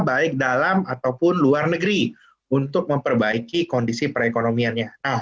baik dalam ataupun luar negeri untuk memperbaiki kondisi perekonomiannya